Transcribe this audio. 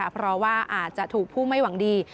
เพราะว่าอาจจะถูกผู้ไม่หวังดี